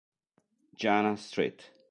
Jana Street.